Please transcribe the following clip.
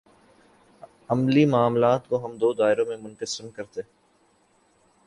عملی معاملات کو ہم دو دائروں میں منقسم کرتے ہیں۔